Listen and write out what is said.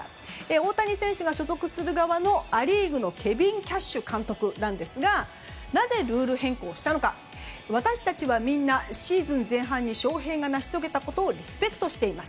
大谷選手が所属する側のア・リーグのケビン・キャッシュ監督ですがなぜルール変更をしたのか私たちはみんなシーズン前半に翔平が成し遂げたことをリスペクトしています。